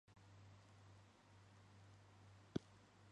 Later authors develop the idea further.